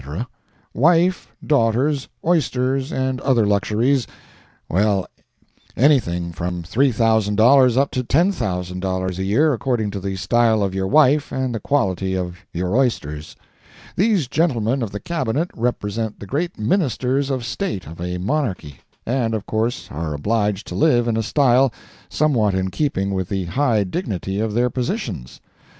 wife, daughters, oysters and other luxuries—well, anything, from $3,000 up to $10,000 a year, according to the style of your wife and the quality of your oysters. These gentlemen of the Cabinet represent the great Ministers of State of a monarchy, and of course are obliged to live in a style somewhat in keeping with the high dignity of their positions.